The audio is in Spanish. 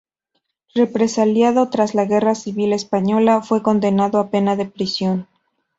Represaliado tras la Guerra Civil Española, fue condenado a pena de prisión.